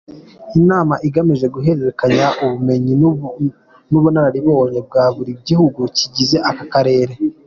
Inama igamije guhererekanya ubumenyi n’ubunararibonye bwa buri gihugu kigize aka karere.